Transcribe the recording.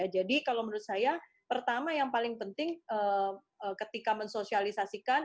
jadi kalau menurut saya pertama yang paling penting ketika mensosialisasikan